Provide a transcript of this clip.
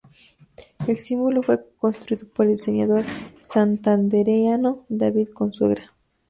El símbolo fue construido por el diseñador santandereano David Consuegra.